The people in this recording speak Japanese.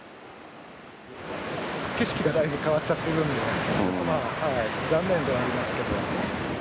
景色がだいぶ変わっちゃってるんで、残念ではありますけど。